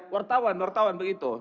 wartawan wartawan begitu